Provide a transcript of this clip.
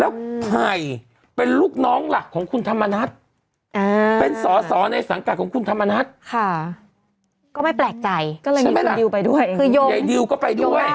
แล้วไผ่เป็นลูกน้องหลักของคุณธรรมนัทอ่า